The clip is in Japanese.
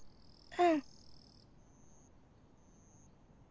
うん。